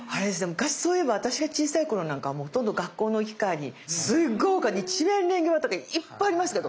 昔そういえば私が小さい頃なんかもうほとんど学校の行き帰りにすごい丘に一面レンゲ畑がいっぱいありましたけど。